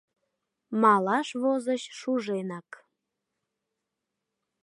Малаш возыч шуженак.